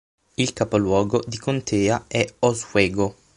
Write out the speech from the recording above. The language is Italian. Il capoluogo di contea è Oswego